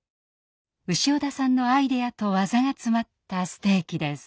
潮田さんのアイデアと技が詰まったステーキです。